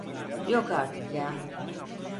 Yok artık ya!